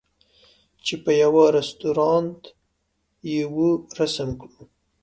چې په یوه رستوران یې وو رسم کړو.